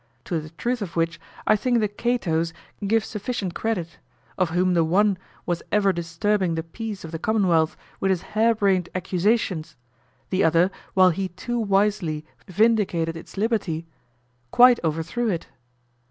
To the truth of which I think the Catoes give sufficient credit; of whom the one was ever disturbing the peace of the commonwealth with his hair brained accusations; the other, while he too wisely vindicated its liberty, quite overthrew it.